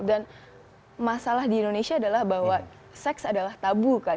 dan masalah di indonesia adalah bahwa sex adalah tabu kan